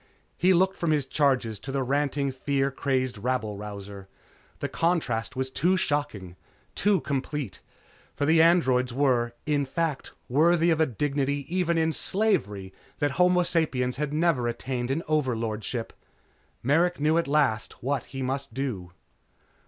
He looked from his charges to the ranting fear crazed rabble rouser. The contrast was too shocking, too complete. For the "androids" were, in fact, worthy of a dignity even in slavery that homo sapiens had never attained in overlordship. Merrick knew at last what he must do.